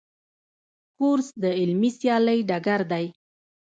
کورس د علمي سیالۍ ډګر دی.